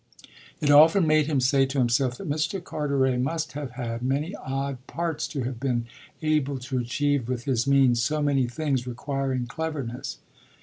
It often made him say to himself that Mr. Carteret must have had many odd parts to have been able to achieve with his means so many things requiring cleverness.